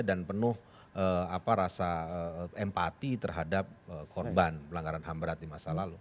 dan penuh apa rasa empati terhadap korban pelanggaran ham berat di masa lalu